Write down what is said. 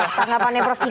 tanggapannya prof kiki